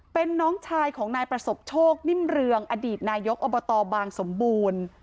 เป็นน้องชายของนายประสบโชคนิ่มเรืองอดีตนายกอบตบางสมบูรณ์